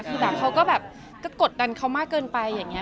คือแบบเขาก็แบบก็กดดันเขามากเกินไปอย่างนี้